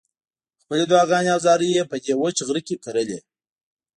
خپلې دعاګانې او زارۍ یې په دې وچ غره کې کرلې.